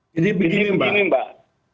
jadi begini mbak